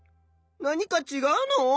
何かちがうの？